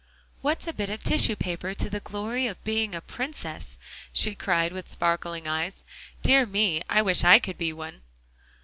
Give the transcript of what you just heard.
What's a bit of tissue paper to the glory of being a Princess?" she cried, with sparkling eyes. "Dear me, I wish I could be one."